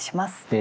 え